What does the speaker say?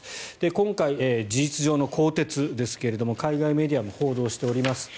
今回、事実上の更迭ですけど海外メディアも報道しております。